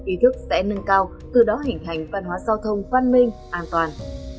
ý thức sẽ nâng cao từ đó hình thành văn hóa giao thông văn minh an toàn